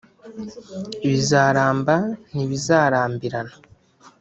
Bizaramba ntibizarambirana